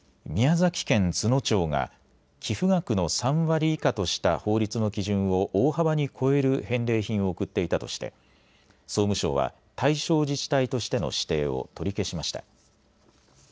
宮崎県都農町が寄付額の３割以下とした法律の基準を大幅に超える返礼品を送っていたとして総務省は対象自治体としての指定を取り消しました。